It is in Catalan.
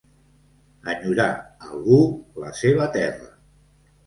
Enyorar, algú, la seva terra.